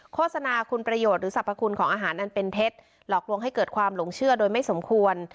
โฆษณาคุณประโยชน์หรือสรรพคุณของอาหารอันเป็นเท็จหลอกลวงให้เกิดความหลงเชื่อโดยไม่สมควร